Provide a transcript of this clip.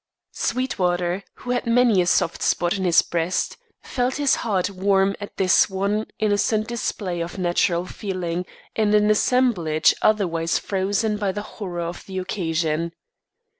Sweetwater, who had many a soft spot in his breast, felt his heart warm at this one innocent display of natural feeling in an assemblage otherwise frozen by the horror of the occasion.